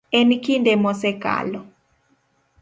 En kinde mosekalo.